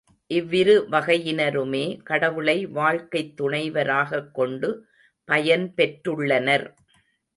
இவ்விரு வகையினருமே கடவுளை வாழ்க்கைத் துணைவராகக் கொண்டு பயன் பெற்றுள்ளனர்.